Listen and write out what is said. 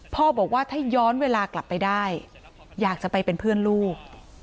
พ่อบอกว่าถ้าย้อนเวลากลับไปได้อยากจะไปเป็นเพื่อนลูก